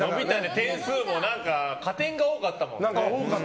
点数も加点が多かったもんね。